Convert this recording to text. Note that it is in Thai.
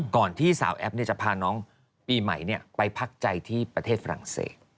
ที่สาวแอปจะพาน้องปีใหม่ไปพักใจที่ประเทศฝรั่งเศส